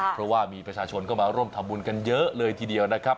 เพราะว่ามีประชาชนเข้ามาร่วมทำบุญกันเยอะเลยทีเดียวนะครับ